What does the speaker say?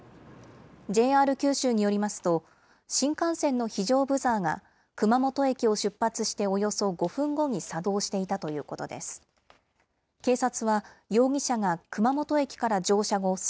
ＪＲ九州によりますと、新幹線の非常ブザーが熊本駅を出発しておよそ５分後に作動していたということです。